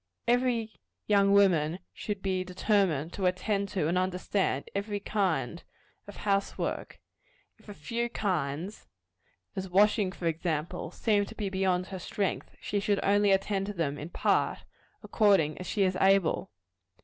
Every young woman should be determined to attend to, and understand, every kind of house work. If a few kinds as washing, for example seem to be beyond her strength, she should only attend to them in part, according as she is able.